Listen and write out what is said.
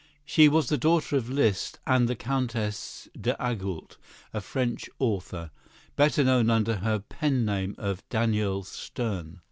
She was the daughter of Liszt and the Countess d'Agoult, a French author, better known under her pen name of "Daniel Stern."